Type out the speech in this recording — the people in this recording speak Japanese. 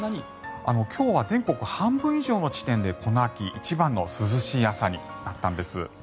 今日は全国半分以上の地点でこの秋一番の涼しい朝になったんです。